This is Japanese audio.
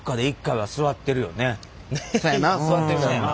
そやな座ってるやろな。